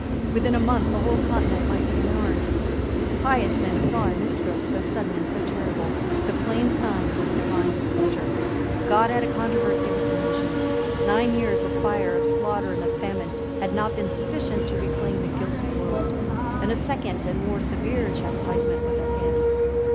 Within a month the whole Continent might be in arms. Pious men saw in this stroke, so sudden and so terrible, the plain signs of the divine displeasure. God had a controversy with the nations. Nine years of fire, of slaughter and of famine had not been sufficient to reclaim a guilty world; and a second and more severe chastisement was at hand.